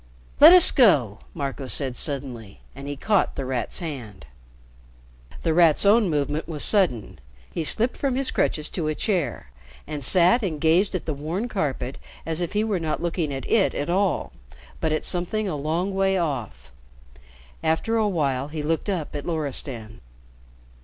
"Let us go," Marco said suddenly; and he caught The Rat's hand. The Rat's own movement was sudden. He slipped from his crutches to a chair, and sat and gazed at the worn carpet as if he were not looking at it at all, but at something a long way off. After a while he looked up at Loristan.